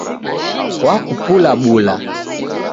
Wakupula bula